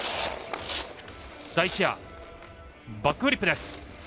バックフリップです。